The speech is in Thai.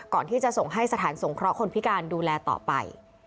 ก่อนที่จะส่งให้สถานสงเคราะห์คนพิการดูแลต่อไป